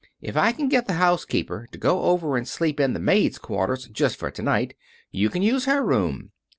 If I can get the housekeeper to go over and sleep in the maids' quarters just for to night, you can use her room.